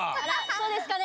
そうですかね。